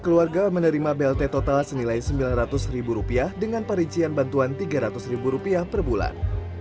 satu ratus dua keluarga menerima blt total senilai sembilan ratus ribu rupiah dengan parincian bantuan tiga ratus ribu rupiah per bulan